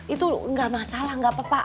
itu gak masalah gak apa apa